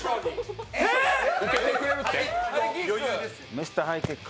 ミスターハイキック。